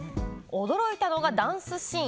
驚いたのがダンスシーン。